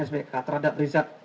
sbk terhadap rizal